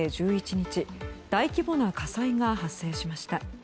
日大規模な火災が発生しました。